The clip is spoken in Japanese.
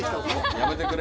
やめてくれ。